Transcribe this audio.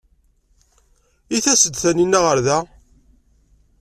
I tas-d Taninna ɣer da?